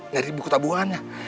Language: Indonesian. ngeri buku tabungannya